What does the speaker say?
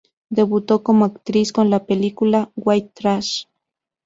Debutó como actriz con la película "White Trash".